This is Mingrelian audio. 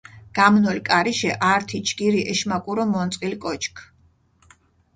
გამნოლ კარიშე ართი ჯგირი ეშმაკურო მონწყილ კოჩქ.